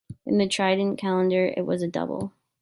In the Tridentine Calendar, it was a Double.